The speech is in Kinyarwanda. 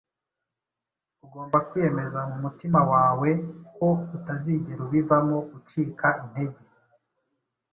ugomba kwiyemeza mu mutima wawe ko utazigera ubivamo, ucika intege.